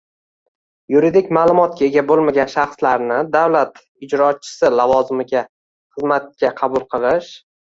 yuridik ma’lumotga ega bo‘lmagan shaxslarni davlat ijrochisi lavozimiga xizmatga qabul qilish